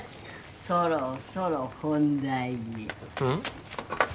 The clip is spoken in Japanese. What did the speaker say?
そろそろ本題にうん？